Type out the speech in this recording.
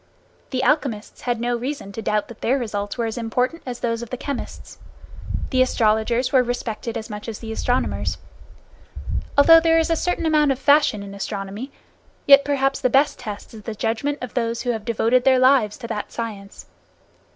The alchemists had no reason to doubt that their results were as important as those of the chemists. The astrologers were respected as much as the astronomers. Although there is a certain amount of fashion in astronomy, yet perhaps the best test is the judgment of those who have devoted their lives to that science.